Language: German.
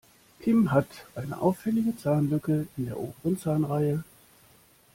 Kim hat eine auffällige Zahnlücke in der oberen Zahnreihe.